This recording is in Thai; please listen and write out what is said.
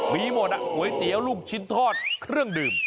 มีหมดก๋วยเตี๋ยวลูกชิ้นทอดเครื่องดื่ม